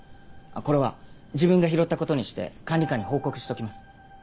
これは自分が拾ったことにして管理官に報告しておきます。